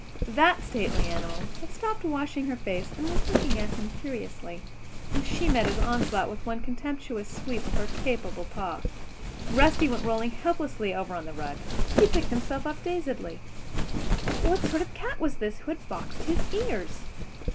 The stately animal had stopped washing her face and was looking at him curiously. She met his onslaught with one contemptuous sweep of her capable paw. Rusty went rolling helplessly over on the rug; he picked himself up dazedly. What sort of a cat was this who had boxed his ears?